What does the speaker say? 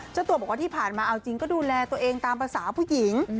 เจ้าตัวบอกว่าที่ผ่านมาเอาจริงก็ดูแลตัวเองตามภาษาผู้หญิง